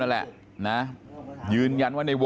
ใหม่รับผมเป็นอะไรให้